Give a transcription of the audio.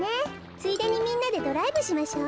ついでにみんなでドライブしましょう。